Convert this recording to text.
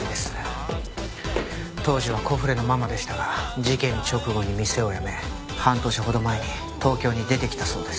当時はコフレのママでしたが事件直後に店を辞め半年ほど前に東京に出てきたそうです。